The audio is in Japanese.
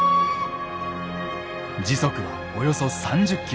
時速はおよそ３０ｋｍ。